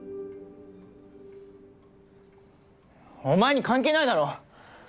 お前に関係ないだろ！